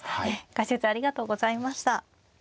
解説ありがとうございました。